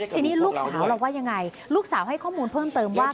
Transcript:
ทีนี้ลูกสาวเราว่ายังไงลูกสาวให้ข้อมูลเพิ่มเติมว่า